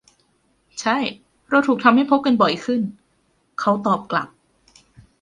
ใช่ เราถูกทำให้พบกันบ่อยขึ้น เขาตอบกลับ